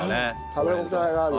食べ応えある。